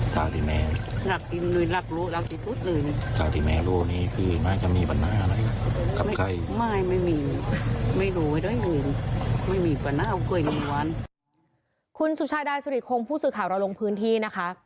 คุณสุชาดาสุริคงผู้สื่อข่าวเราลงพื้นที่นะคะ